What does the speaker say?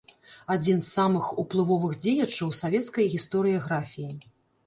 Адзін з самых уплывовых дзеячаў савецкай гістарыяграфіі.